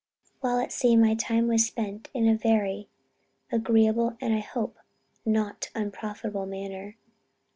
"While at sea, my time was spent in a very agreeable, and I hope not unprofitable manner....